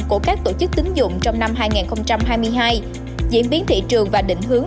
của các tổ chức tính dụng trong năm hai nghìn hai mươi hai diễn biến thị trường và định hướng